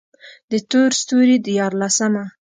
د تور ستوري ديارلسمه: